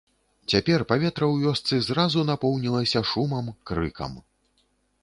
Цяпер паветра ў вёсцы зразу напоўнілася шумам, крыкам.